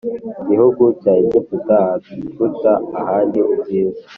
Gihugu cya egiputa aharuta ahandi ubwiza